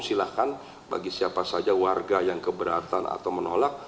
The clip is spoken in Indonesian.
silahkan bagi siapa saja warga yang keberatan atau menolak